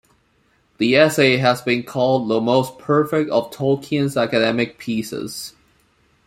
The essay has been called "the most perfect of Tolkien's academic pieces".